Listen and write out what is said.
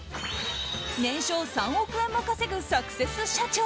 年商３億円も稼ぐサクセス社長。